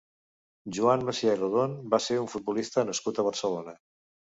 Joan Macià i Rodon va ser un futbolista nascut a Barcelona.